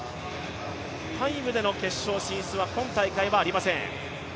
タイムでの決勝進出は今大会はありません。